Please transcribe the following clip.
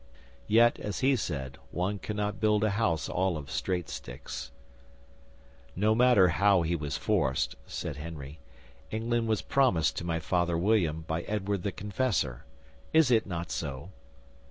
Yet, as he said, one cannot build a house all of straight sticks. '"No matter how he was forced," said Henry, "England was promised to my Father William by Edward the Confessor. Is it not so?"